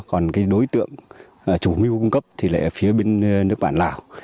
còn cái đối tượng chủ mưu cung cấp thì lại ở phía bên nước bạn lào